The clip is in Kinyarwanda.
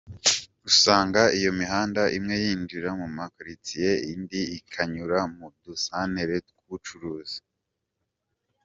Usanga iyo mihanda imwe yinjira mu makaritsiye indi ikanyura mu dusantere tw’ubucuruzi.